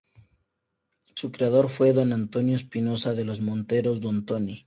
Su creador fue Don Antonio Espinoza de los Monteros 'Don Tony'.